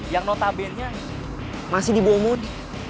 yang notabene nya masih di bawah modi